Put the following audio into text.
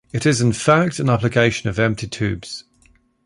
It is in fact an application of empty tubes.